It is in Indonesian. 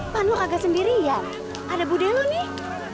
pan lo kagak sendirian ada budhe lo nih